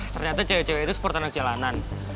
ternyata cewek cewek itu seperti anak jalanan